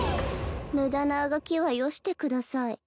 無駄なあがきはよしてください。